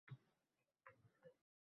Yomg‘irlar yog‘moqda, yog‘ayapti qor